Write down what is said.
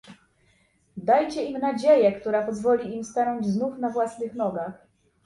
Dajcie im nadzieję, która pozwoli im znów stanąć na własnych nogach